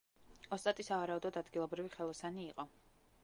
ოსტატი სავარაუდოდ ადგილობრივი ხელოსანი იყო.